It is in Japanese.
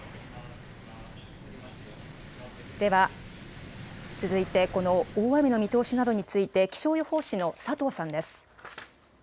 では、続いてこの大雨の見通しなどについて、気象予報士の佐藤さんです。